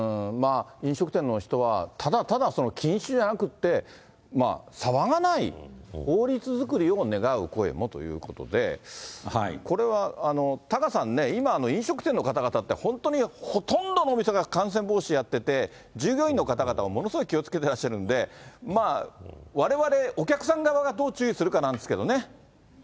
飲食店の人はただただ禁止じゃなくって、騒がない法律作りを願う声もということで、これは、タカさんね、今、飲食店の方々って、本当にほとんどのお店が感染防止やってて、従業員の方々はものすごい気をつけてらっしゃるんで、われわれお客さん側がどう注意するかなんですけどね。